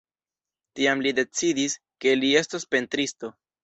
Tiam li decidis, ke li estos pentristo.